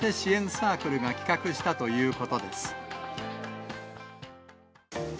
サークルが企画したということです。